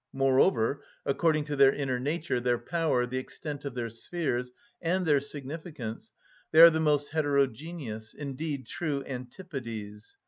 Moreover, according to their inner nature, their power, the extent of their spheres, and their significance, they are the most heterogeneous, indeed true antipodes.